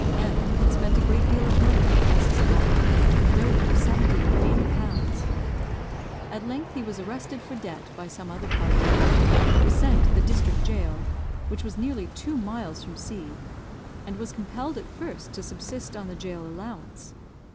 M had spent a great deal of money at S 's tavern, and owed him 70 or 80 pounds. At length he was arrested for debt by some other party, was sent to the district gaol, which was nearly two miles from C , and was compelled at first to subsist on the gaol allowance.